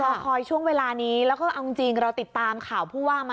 รอคอยช่วงเวลานี้แล้วก็เอาจริงเราติดตามข่าวผู้ว่ามา